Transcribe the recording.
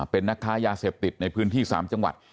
เป็นนักค้ายาเสพติดในพื้นที่๓จังหวัด